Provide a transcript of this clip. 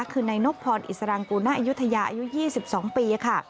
คือนายนบพรอิสรังกูณอายุทยาอายุ๒๒ปีค่ะ